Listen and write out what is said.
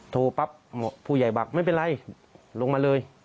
ปั๊บผู้ใหญ่บอกไม่เป็นไรลงมาเลย